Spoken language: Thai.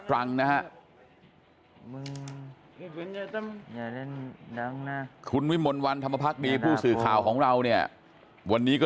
ตรังนะคุณวิมวลวันธรรมภักดีผู้สื่อข่าวของเราเนี่ยวันนี้ก็